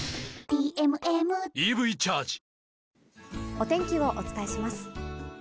お天気をお伝えします。